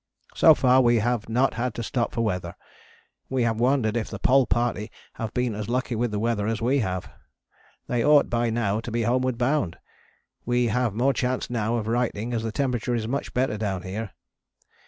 So far we have not had to stop for weather. We have wondered if the Pole Party have been as lucky with the weather as we have. They ought by now to be homeward bound. We have more chance now of writing as the temperature is much better down here.